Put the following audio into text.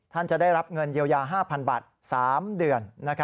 จะได้รับเงินเยียวยา๕๐๐บาท๓เดือน